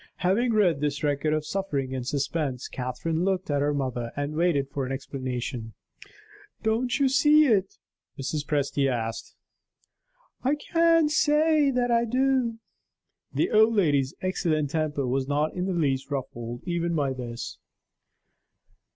Having read this record of suffering and suspense, Catherine looked at her mother, and waited for an explanation. "Don't you see it?" Mrs. Presty asked. "I can't say that I do." The old lady's excellent temper was not in the least ruffled, even by this.